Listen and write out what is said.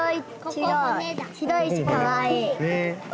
白いしかわいい。ね。